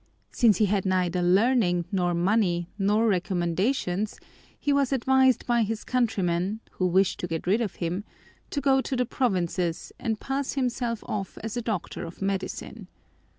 Since he had neither learning nor money nor recommendations he was advised by his countrymen, who wished to get rid of him, to go to the provinces and pass himself off as a doctor of medicine.